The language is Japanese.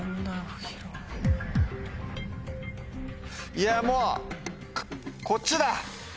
いやもうこっちだ！